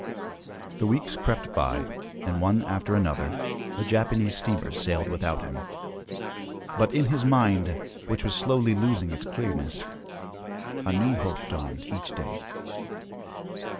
The weeks crept by and, one after another, the Japanese steamers sailed without him; but in his mind, which was slowly losing its clearness, a new hope dawned each day.